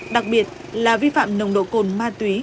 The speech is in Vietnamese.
đặc biệt là vi phạm nồng độ cồn ma túy